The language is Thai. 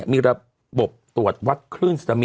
มีระบบตรวจวัดคลื่นซึนามิ